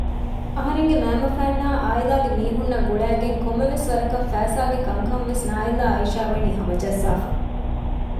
އަހަރެންގެ މައިންބަފައިންނާއި އާއިލާގެ މީހުންނަށް ގުޅައިގެން ކޮންމެވެސް ވަރަކަށް ފައިސާގެ ކަންކަންވެސް ނާއިލްއާއި އައިޝާވަނީ ހަމަޖައްސާފަ